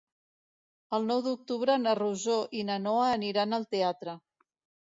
El nou d'octubre na Rosó i na Noa aniran al teatre.